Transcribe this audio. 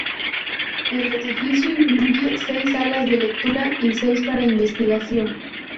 El edificio incluye seis salas de lectura y seis para investigación.